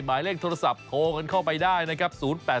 หมายเลขโทรศัพท์โทรกันเข้าไปได้นะครับ๐๘๓๑๒๒๘๘๓๔